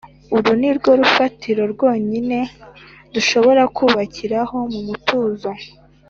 uru nirwo rufatiro rwonyine dushobora kubakiraho mu mutuzo